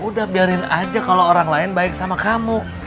udah biarin aja kalau orang lain baik sama kamu